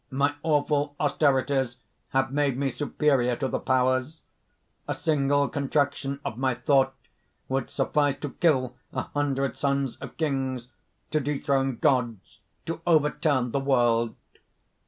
"My awful austerities have made me superior to the Powers. A single contraction of my thought would suffice to kill a hundred sons of kings, to dethrone gods, to overturn the world."